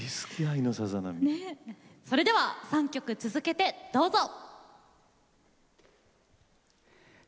それでは３曲続けてどうぞ。